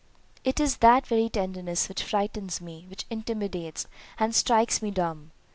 "It is that very tenderness which frightens me; which intimidates, and strikes me dumb.